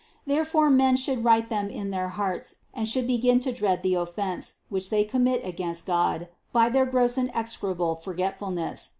Therefore men should write them in their hearts and should begin to dread the offense, which they commit against God by their gross and execrable forget fulness.